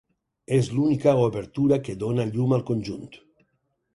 És l'única obertura que dóna llum al conjunt.